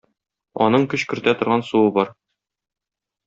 Аның көч кертә торган суы бар.